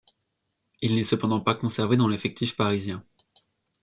Il n'est cependant pas conservé dans l'effectif parisien.